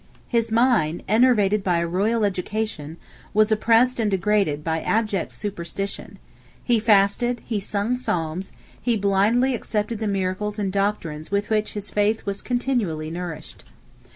His mind, enervated by a royal education, was oppressed and degraded by abject superstition: he fasted, he sung psalms, he blindly accepted the miracles and doctrines with which his faith was continually nourished.